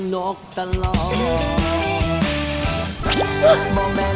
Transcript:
โน๊กตลอด